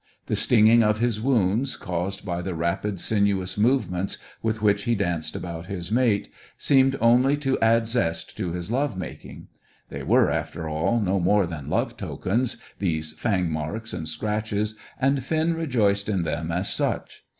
The stinging of his wounds, caused by the rapid, sinuous movements with which he danced about his mate, seemed only to add zest to his love making. They were, after all, no more than love tokens, these fang marks and scratches, and Finn rejoiced in them as such.